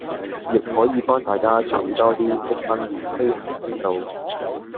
亦可以幫大家儲多啲積分同飛行里數